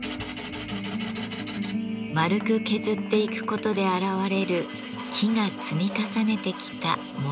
丸く削っていくことで現れる木が積み重ねてきた森の時。